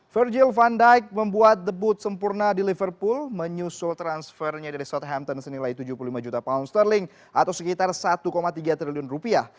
virgil van dijk membuat debut sempurna di liverpool menyusul transfernya dari shothampton senilai tujuh puluh lima juta pound sterling atau sekitar satu tiga triliun rupiah